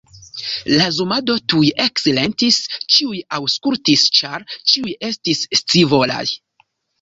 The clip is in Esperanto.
La zumado tuj eksilentis; ĉiuj aŭskultis, ĉar ĉiuj estis scivolaj.